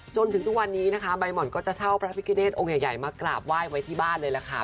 จนถึงทุกวันนี้นะคะใบห่อนก็จะเช่าพระพิกเนธองค์ใหญ่มากราบไหว้ไว้ที่บ้านเลยล่ะค่ะ